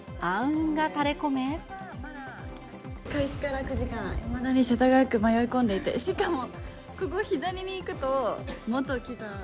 開始から９時間、いまだに世田谷区迷い込んでいて、しかも、ここ、道に。